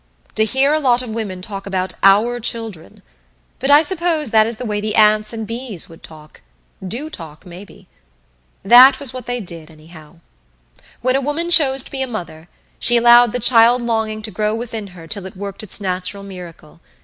To hear a lot of women talk about "our children"! But I suppose that is the way the ants and bees would talk do talk, maybe. That was what they did, anyhow. When a woman chose to be a mother, she allowed the child longing to grow within her till it worked its natural miracle.